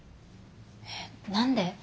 えっ何で？